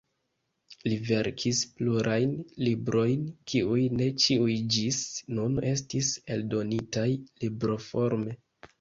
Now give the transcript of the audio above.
Li verkis plurajn librojn kiuj ne ĉiuj ĝis nun estis eldonitaj libroforme.